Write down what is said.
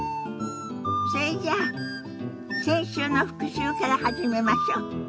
それじゃあ先週の復習から始めましょ。